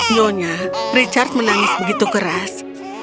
nyonya richard menangis begitu keras